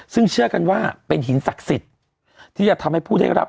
ซึ่งเชื่อกันว่าเป็นหินศักดิ์สิทธิ์ที่จะทำให้ผู้ได้รับ